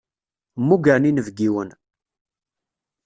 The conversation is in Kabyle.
Mmugren inebgiwen.